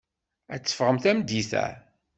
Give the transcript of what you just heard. Ad teffɣem tameddit-a.